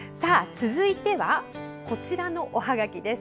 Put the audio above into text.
続いてはこちらのおはがきです。